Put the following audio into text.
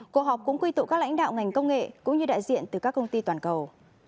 cuộc họp cũng quy tụ các lãnh đạo ngành công nghệ cũng như đại diện từ các công ty toàn cầu